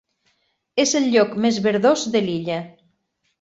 És el lloc més verdós de l'illa.